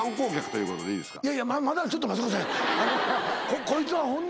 いやいやまだちょっと待ってください。